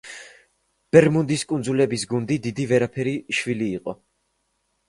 ბერმუდის კუნძულების გუნდი დიდი ვერაფერი შვილი იყო.